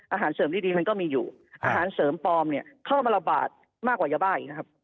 อาหารเสริมดีมันก็มีอยู่อาหารเสริมปลอมเนี่ยเข้ามาระบาดมากกว่ายาบ้าอีกนะครับ